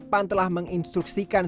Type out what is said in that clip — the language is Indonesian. wakil ketua komisi tujuh dpr dari vat